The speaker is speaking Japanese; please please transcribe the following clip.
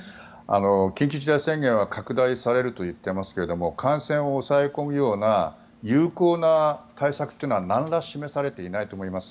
緊急事態宣言は拡大されるといっていますが感染を抑え込むような有効な対策というのはなんら示されていないと思います。